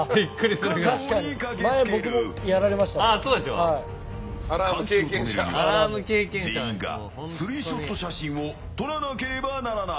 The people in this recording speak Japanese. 監視を止めるには全員がスリーショット写真を撮らなければならない。